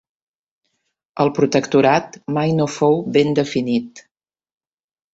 El protectorat mai no fou ben definit.